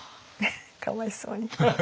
かわいそうに。